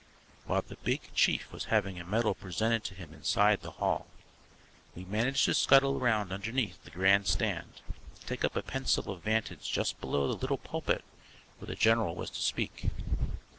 While the Big Chief was having a medal presented to him inside the hall we managed to scuttle round underneath the grand stand and take up a pencil of vantage just below the little pulpit where the general was to speak.